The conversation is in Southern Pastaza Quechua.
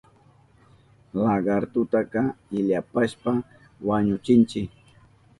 Lagartutaka illapashpa wañuchinchi.